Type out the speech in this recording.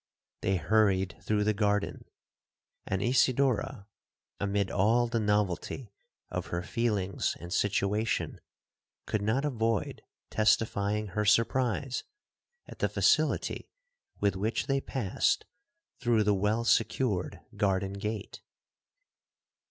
They hurried through the garden,—and Isidora, amid all the novelty of her feelings and situation, could not avoid testifying her surprise at the facility with which they passed through the well secured garden gate.